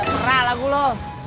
serah lagu lu